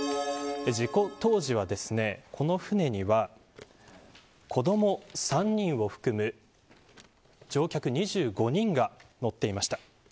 事故当時はこの舟には子ども３人を含む乗客２５人が乗っていました。